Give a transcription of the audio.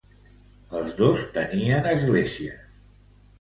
Els dos tenien esglésies.